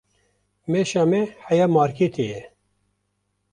Meşa me heya marketê ye.